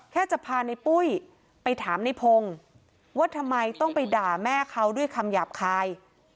จะพาในปุ้ยไปถามในพงศ์ว่าทำไมต้องไปด่าแม่เขาด้วยคำหยาบคาย